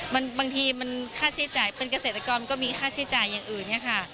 บางทีมันค่าใช้จ่ายเป็นเกษตรกรก็มีค่าใช้จ่ายอย่างอื่นเนี่ยค่ะ